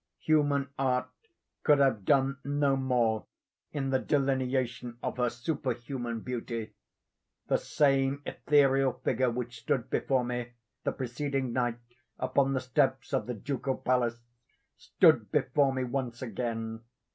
Human art could have done no more in the delineation of her superhuman beauty. The same ethereal figure which stood before me the preceding night upon the steps of the Ducal Palace, stood before me once again.